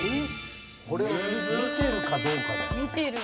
これを見てるかどうかだよね。